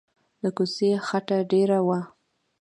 د کوڅې خټه ډېره وه.